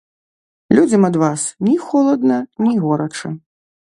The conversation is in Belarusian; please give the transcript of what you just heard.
Людзям ад вас ні холадна, ні горача.